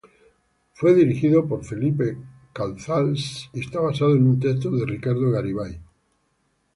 Fue dirigida por Felipe Cazals y está basada en un texto de Ricardo Garibay.